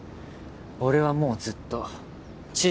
俺はもうずっとちー